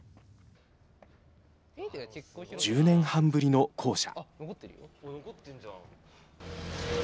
１０年半ぶりの校舎。